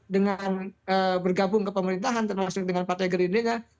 dengan bergabung ke pemerintahan termasuk dengan partai gerindra